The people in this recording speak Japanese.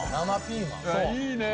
いいね！